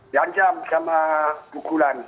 diancam sama pukulan